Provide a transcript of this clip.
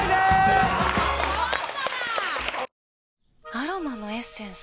アロマのエッセンス？